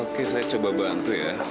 oke saya coba bantu ya